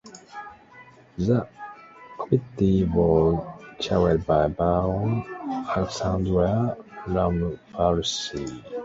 The Committee was chaired by Baron Alexandre Lamfalussy.